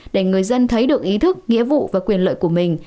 để người dân thấy được ý thức nghĩa vụ và quyền lợi của mình